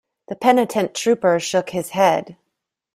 The penitent trooper shook his head.